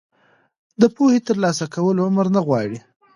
د پوهې ترلاسه کول عمر نه غواړي.